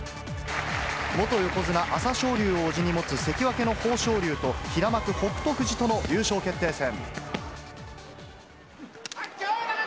元横綱・朝青龍を叔父に持つ関脇の豊昇龍と平幕・北勝富士との優勝決定戦。